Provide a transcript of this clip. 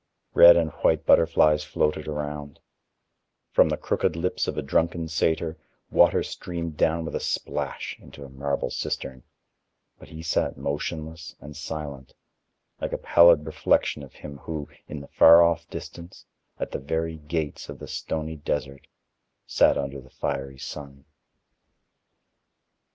Red and white butterflies fluttered around; from the crooked lips of a drunken satyr, water streamed down with a splash into a marble cistern, but he sat motionless and silent, like a pallid reflection of him who, in the far off distance, at the very gates of the stony desert, sat under the fiery sun.